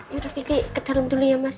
yaudah titik ke dalam dulu ya mas